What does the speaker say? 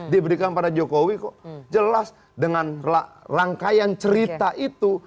diberikan pada jokowi kok jelas dengan rangkaian cerita itu